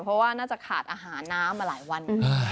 เพราะว่าน่าจะขาดอาหารน้ำมาหลายวัน